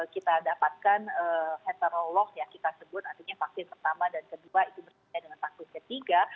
kita dapatkan heterolog ya kita sebut artinya vaksin pertama dan kedua itu berbeda dengan vaksin ketiga